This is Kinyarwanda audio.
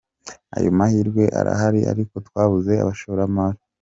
Ayo mahirwe arahari ariko twabuze abashoramari”.